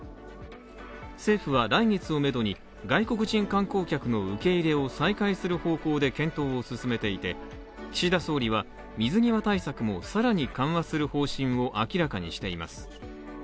政府は、来月をめどに外国人観光客の受け入れを再開する方向で検討を進めていて岸田総理は水際対策も更に緩和する方針を明らかにしています。